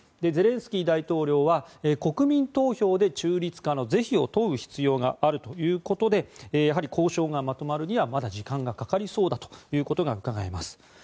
ゼレンスキー大統領は国民投票で中立化の是非を問う必要があるということでやはり交渉がまとまるにはまだ時間がかかりそうだということがうかがえます。